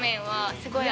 すごいな！